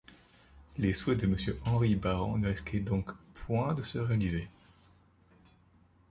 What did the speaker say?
Les souhaits de Monsieur Henry Barrand ne risquaient donc point de se réaliser.